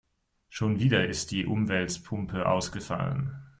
Schon wieder ist die Umwälzpumpe ausgefallen.